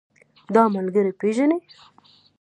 دا ملګری پيژنې؟